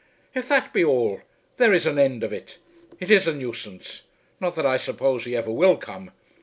"If that be all, there is an end of it. It is a nuisance. Not that I suppose he ever will come.